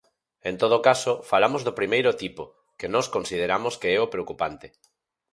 En todo caso, falamos do primeiro tipo, que nós consideramos que é o preocupante.